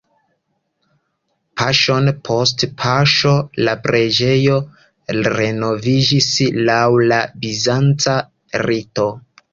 Paŝon post paŝo la preĝejo renoviĝis laŭ la bizanca rito.